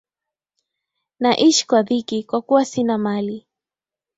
Naishi kwa dhiki kwa kuwa sina mali.